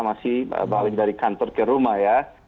masih balik dari kantor ke rumah ya